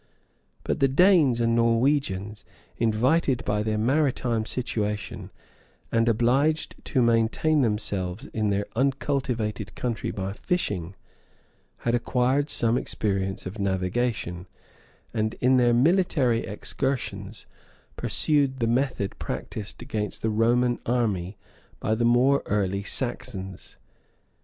But the Danes and Norwegians, invited by their maritime situation, and obliged to maintain themselves in their uncultivated country by fishing, had acquired some experience of navigation; and, in their military excursions, pursued the method practised against the Roman empire by the more early Saxons.